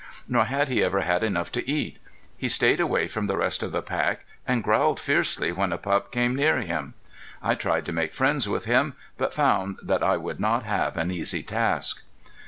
Nor had he ever had enough to eat. He stayed away from the rest of the pack and growled fiercely when a pup came near him. I tried to make friends with him, but found that I would not have an easy task.